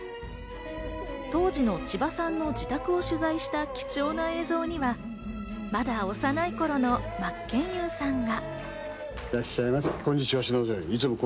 当時の千葉さんの自宅を取材した貴重な映像には、まだ幼い頃の真剣佑さんが。